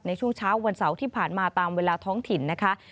ในช่วงเช้าวันเสาร์ที่ผ่านมาตามเวลาท้องถิ่นนะคะ